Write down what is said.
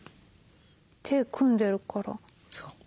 手組んでるから。